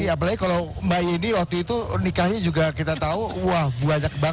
apalagi kalau mbak yeni waktu itu nikahnya juga kita tahu wah banyak banget